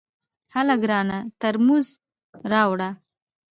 هله ګرانه ترموز راوړه !